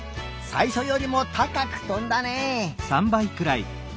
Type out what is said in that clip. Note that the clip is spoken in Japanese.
さいしょよりもたかくとんだねえ。